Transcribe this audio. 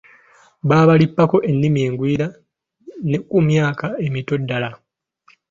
Babalippako ennimi engwira ne ku myaka emito ddala.